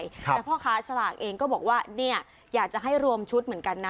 แต่พ่อค้าสลากเองก็บอกว่าเนี่ยอยากจะให้รวมชุดเหมือนกันนะ